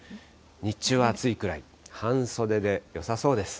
日中は暑いくらい、半袖でよさそうです。